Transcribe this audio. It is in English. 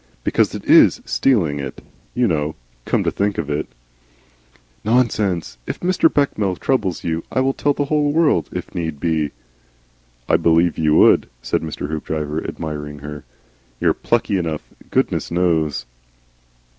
"Because it IS stealing it, you know, come to think of it." "Nonsense. If Mr. Bechamel troubles you I will tell the whole world if need be." "I believe you would," said Mr. Hoopdriver, admiring her. "You're plucky enough goodness knows."